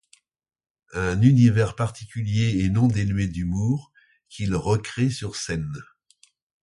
Un univers particulier et non dénué d'humour, qu'il recrée sur scène.